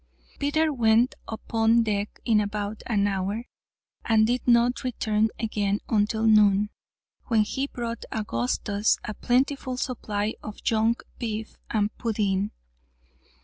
Peters went upon deck in about an hour, and did not return again until noon, when he brought Augustus a plentiful supply of junk beef and pudding.